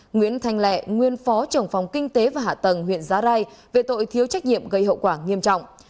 nguyễn thanh lẹ nguyên phó trưởng phòng kinh tế và hạ tầng huyện giá rai về tội thiếu trách nhiệm gây hậu quả nghiêm trọng